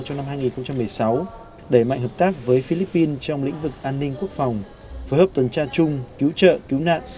trong năm hai nghìn một mươi sáu đẩy mạnh hợp tác với philippines trong lĩnh vực an ninh quốc phòng phối hợp tuần tra chung cứu trợ cứu nạn